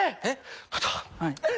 えっ？